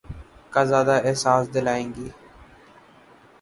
کا زیادہ احساس دلائیں گی۔